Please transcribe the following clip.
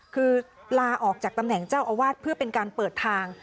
คือลาออกจากตำแหน่งเจ้าอาวาสเพื่อเป็นการเปิดทาง